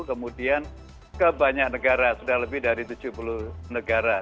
kemudian ke banyak negara sudah lebih dari tujuh puluh negara